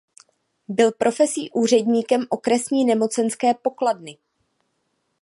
Byl profesí úředníkem okresní nemocenské pokladny.